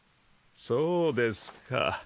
そうですか。